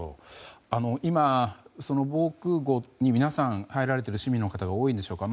今、防空壕に皆さん、入られている市民の方が多いんでしょうか。